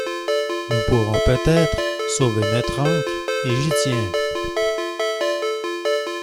Nous pourrons peut-être sauver notre ancre, et j’y tiens.